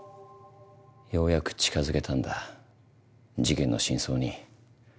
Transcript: ようやく近づけたんだ事件の真相に。